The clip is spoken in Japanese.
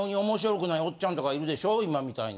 今みたいな。